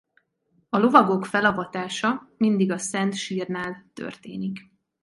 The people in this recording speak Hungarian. A lovagok felavatása mindig a Szent Sírnál történik.